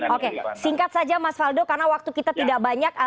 oke singkat saja mas faldo karena waktu kita tidak banyak